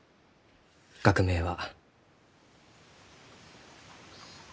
学名は。